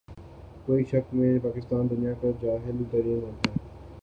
کوئی شک نہیں پاکستان دنیا کا جاھل ترین ملک ہے